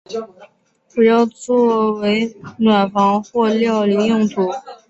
主要作为暖房或料理用途。